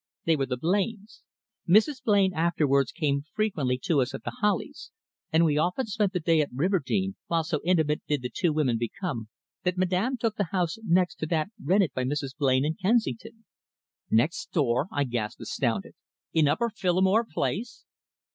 They were the Blains. Mrs. Blain afterwards came frequently to us at The Hollies, and we often spent the day at Riverdene, while so intimate did the two women become that Madame took the house next to that rented by Mrs. Blain in Kensington." "Next door?" I gasped, astounded. "In Upper Phillimore Place?"